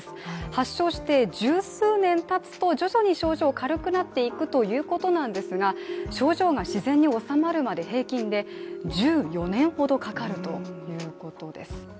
発症して十数年たつと徐々に症状が治まっていくということなんですが症状が自然に治まるまで平均で１４年ほどかかるということです。